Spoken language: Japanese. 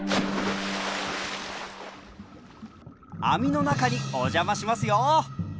網の中にお邪魔しますよ。